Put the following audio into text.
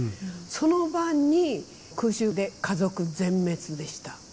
その晩に空襲で家族全滅でした。